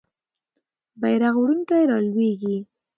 بیرغ وړونکی رالویږي.